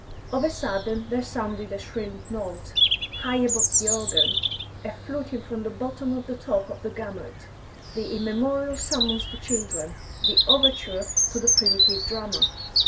Of a sudden there sounded a shrill note, high above the organ, a fluting from the bottom to the top of the gamut, the immemorial summons to children, the overture to the primitive drama.